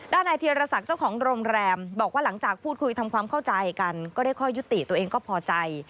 นายธีรศักดิ์เจ้าของโรงแรมบอกว่าหลังจากพูดคุยทำความเข้าใจกันก็ได้ข้อยุติตัวเองก็พอใจ